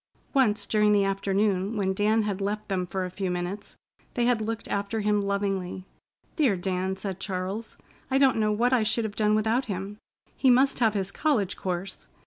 Once during the afternoon, when Dan had left them for a few minutes, they had looked after him lovingly: "Dear Dan!" said Charles. "I don't know what I should have done without him. He must have his college course.